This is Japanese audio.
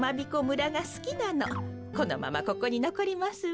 このままここにのこりますわ。